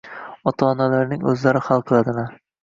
ota-onalarning o‘zlari hal qiladilar